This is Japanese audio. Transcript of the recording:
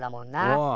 うん。